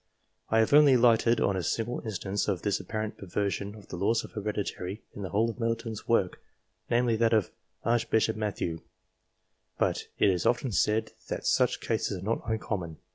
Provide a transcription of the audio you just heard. I have only lighted on a single instance of this apparent perversion of the laws of heredity in the whole of Middleton's work, namely that of Archbishop Matthew, but it is often said that such cases are not uncommon.